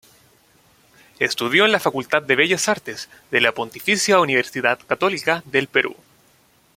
Estudió en la Facultad de Bellas Artes de la "Pontificia Universidad Católica" del Perú.